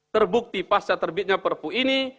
terbukti pasca terbitnya perpu ini